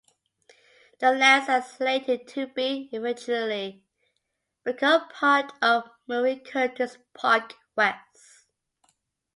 The lands are slated to be eventually become part of Marie Curtis Park West.